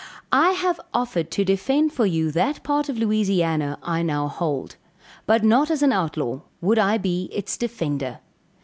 I have offered to defend for you that part of Louisiana I now hold. But not as an outlaw, would I be its defender.